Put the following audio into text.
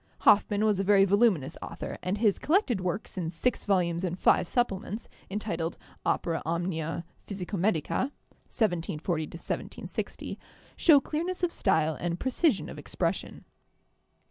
Hoffmann was a very voluminous author, and his collected works in six volumes and five supplements, entitled 'Opera Omnia Phys ico medica' (1740 1760), show clearness of style and pre cision of expression.